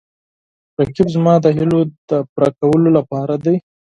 رقیب زما د هیلو د پوره کولو لپاره دی